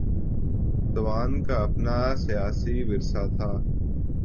تو ان کا اپنا سیاسی ورثہ تھا۔